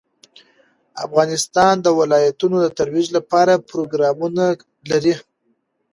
افغانستان د ولایتونو د ترویج لپاره پروګرامونه لري.